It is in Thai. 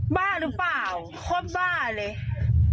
บ้าหรือเปล่าโคตรบ้าเลย